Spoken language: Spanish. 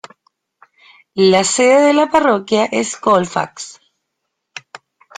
La sede de la parroquia es Colfax.